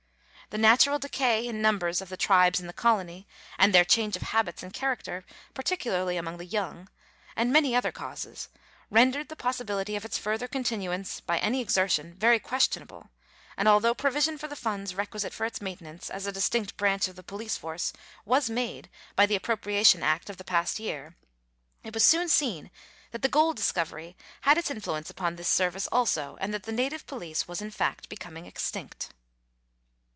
The natural decay in numbers of the tribes in the colony, and their change of habits and character, particularly among the young, and many other causes, rendered the possibility of its further continuance by any exertion very questionable ; and, although provision for the funds requisite for its maintenance as a distinct branch of the police force was made by the Appropriation Act of the past year, it was soon seen that 2G8 Letters from Victorian Pioneers. the gold discovery had its influence vipon this service also, and that the native police was in fact becoming extinct.